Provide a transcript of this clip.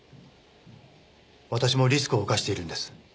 私もリスクを冒しているんです。